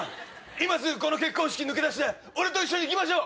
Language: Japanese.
今すぐこの結婚式抜け出して俺と一緒に行きましょう！